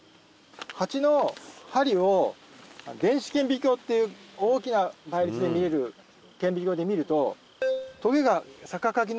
ハチの針を電子顕微鏡っていう大きな倍率で見える顕微鏡で見るとトゲが。